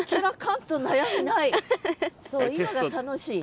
そう今が楽しい？